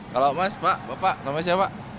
kalau mas pak bapak namanya siapa